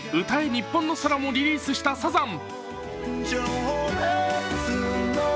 ニッポンの空」もリリースしたサザン。